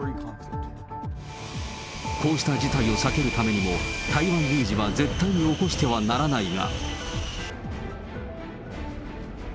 こうした事態を避けるためにも、台湾有事は絶対に起こしてはならないが。